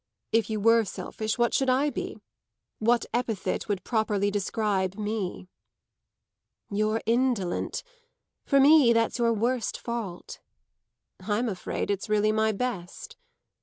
If you were selfish, what should I be? What epithet would properly describe me?" "You're indolent. For me that's your worst fault." "I'm afraid it's really my best."